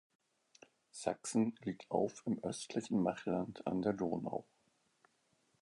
Saxen liegt auf im östlichen Machland an der Donau.